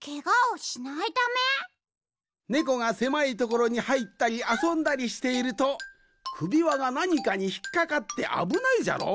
ネコがせまいところにはいったりあそんだりしているとくびわがなにかにひっかかってあぶないじゃろ？